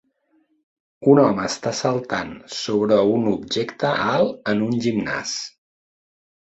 Un home està saltant sobre un objecte alt en un gimnàs.